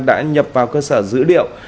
đã nhập vào cơ sở dữ liệu